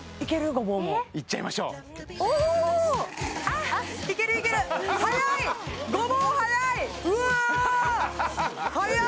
ごぼうもいっちゃいましょうおおあっいけるいける速いごぼう速いうわはやっ